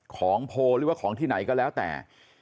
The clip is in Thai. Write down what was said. ของโพลหรือว่าของที่ไหนก็แล้วแต่